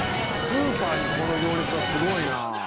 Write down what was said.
「スーパーにこの行列はすごいな」